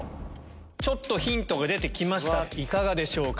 ちょっとヒントが出て来ましたいかがでしょうか？